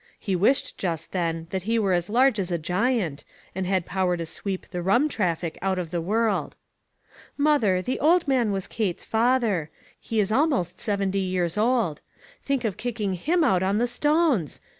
He wished, just then, that he were as large as a giant, and had power to sweep the rum traffic out of the world. "Mother, the old man was Kate's father. He is almost seventy years old. Think of kicking him out on the stones!